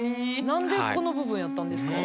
何でこの部分やったんですか？